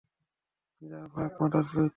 যা ভাগ, মাদারচোদ।